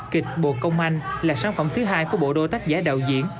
kịch bộ công anh là sản phẩm thứ hai của bộ đôi tác giả đạo diễn